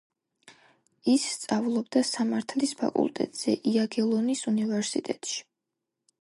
ის სწავლობდა სამართლის ფაკულტეტზე იაგელონის უნივერსიტეტში.